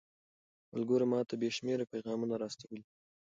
ملګرو ماته بې شمېره پيغامونه را استولي وو.